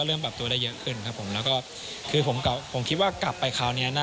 เริ่มบับตัวได้เยอะขึ้นและผมคิดว่ากลับไปคราวนี้